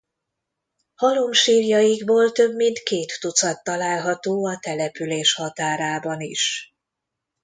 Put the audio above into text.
Halomsírjaikból több mint két tucat található a település határában is.